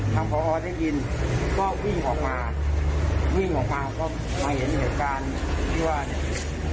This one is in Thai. พอได้ยินก็วิ่งออกมาวิ่งออกมาก็มาเห็นเหตุการณ์ที่ว่าเนี่ย